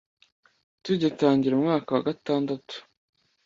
tugitangira umwaka wa gatandatu